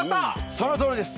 そのとおりです！